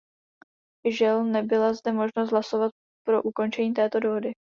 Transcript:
Žel nebyla zde možnost hlasovat pro ukončení této dohody.